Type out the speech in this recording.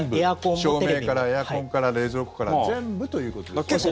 全部照明からエアコンから冷蔵庫から全部ということですよね。